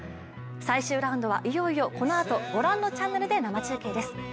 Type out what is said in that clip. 最終ラウンドはいよいよこのあと、ご覧のチャンネルで生中継です。